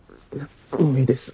もういいです。